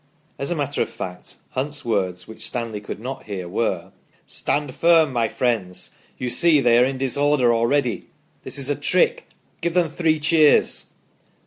As a matter of fact Hunt's words, which Stanley could not hear, were :" Stand firm my friends ! you see they are in disorder already. This is a trick. Give them three cheers."